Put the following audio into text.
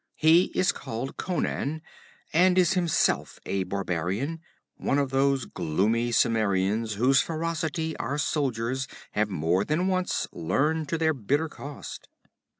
He is called Conan, and is himself a barbarian, one of those gloomy Cimmerians whose ferocity our soldiers have more than once learned to their bitter cost.